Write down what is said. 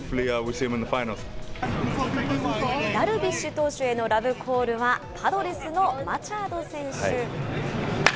ダルビッシュ投手へのラブコールは、パドレスのマチャード選手。